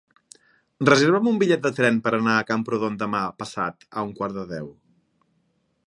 Reserva'm un bitllet de tren per anar a Camprodon demà passat a un quart de deu.